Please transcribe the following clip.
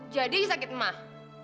jadi sakit mah